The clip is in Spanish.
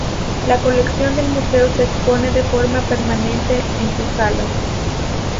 La colección del museo se expone de forma permanente en sus salas.